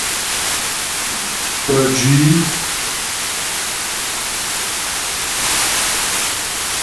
Pəjwî.